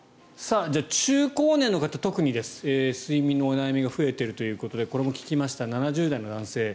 中高年の方特に睡眠の悩みが増えているということで７０代の男性